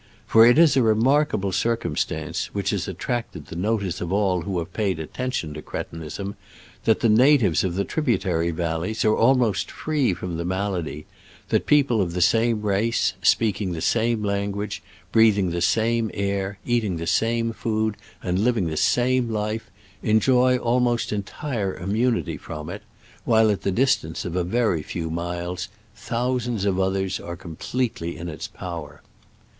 For it is a remarkable circumstance, which has attracted the notice of all who have paid attention to cretinism, that the natives of the trib utary valleys are almost free from the malady — that people of the same race, speaking the same language, breathing the same air, eating the same food, and 9 living the same life, enjoy almost entire immunity from it, while at the distance of a very few miles thousands of others are completely in its power.